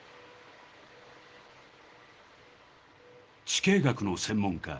地形学の専門家